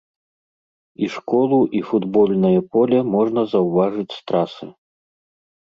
І школу, і футбольнае поле можна заўважыць з трасы.